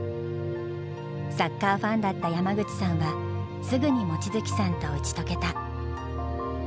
サッカーファンだった山口さんはすぐに望月さんと打ち解けた。